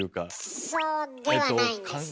あそうではないんですよ。